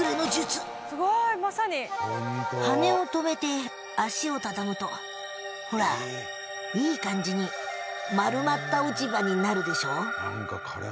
羽を止めて足を畳むとほらいい感じに丸まった落ち葉になるでしょ。